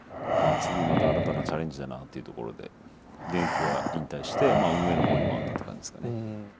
次また新たなチャレンジだなっていうところで現役は引退してまあ運営の方に回ったって感じですかね。